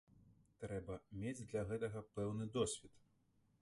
Трэба мець для гэтага пэўны досвед.